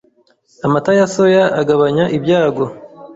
Amata ya soya agabanya ibyago